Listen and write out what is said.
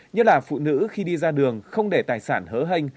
như là phụ nữ khi đi ra đường không để tài sản hớ hành